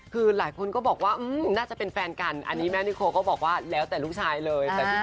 คือหลายคนก็บอกว่าน่าจะเป็นแฟนกันอันนี้แม่นิโคก็บอกว่าแล้วแต่ลูกชายเลย